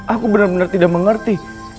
aku benar benar tidak mengerti